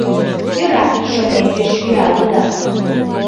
Йӧра, шонем, пеш чоя улыда.